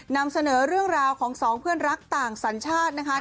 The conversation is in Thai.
นำเสนอเรื่องราวของสองเพื่อนรักต่างสัญชาตินะคะ